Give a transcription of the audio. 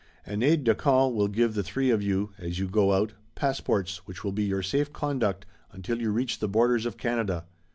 An aide de camp will give the three of you, as you go out, passports which will be your safe conduct until you reach the borders of Canada.